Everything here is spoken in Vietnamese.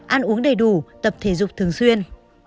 ăn uống đầy đủ tập thể dục thường xuyên